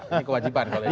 ini kewajiban kalau ingin